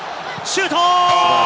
シュート！